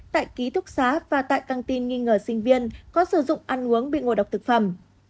tại ký túc xá và tại căng tin nghi ngờ sinh viên có sử dụng ăn uống bị ngộ độc thực phẩm